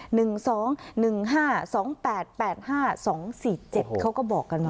หนึ่งสองหนึ่งห้าสองแปดแปดห้าสองสี่เจ็ดเขาก็บอกกันมา